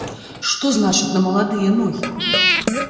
Што значыць на маладыя ногі?